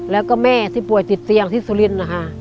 แล้วก็แม่ที่ป่วยติดเตียงที่สุรินทร์นะคะ